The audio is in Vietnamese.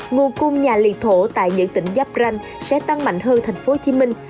nguồn cung nhà liên thổ tại những tỉnh giáp ranh sẽ tăng mạnh hơn tp hcm